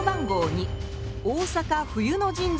２